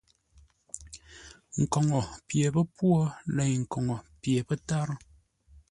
Nkoŋə pye pə́pwô lei koŋə pye pə́tárə́.